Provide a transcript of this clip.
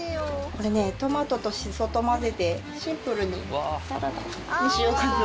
これねトマトとシソと混ぜてシンプルにサラダにしようかと思って。